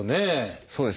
そうですね。